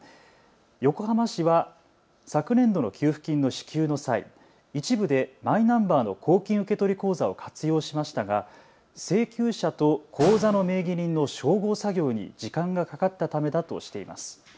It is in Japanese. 横浜市は昨年度の給付金の支給の際、一部でマイナンバーの公金受取口座を活用しましたが請求者と口座の名義人の照合作業に時間がかかったためだとしています。